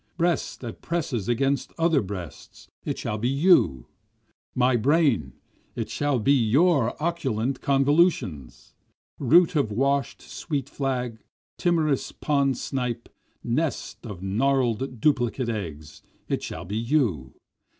Breast that presses against other breasts it shall be you! My brain it shall be your occult convolutions! Root of wash'd sweet flag! timorous pond snipe! nest of guarded duplicate eggs! it shall be you!